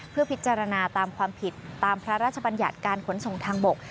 เพื่อพิจารณาตามความผิดตามพระราชบัญญัติการขนส่งทางบก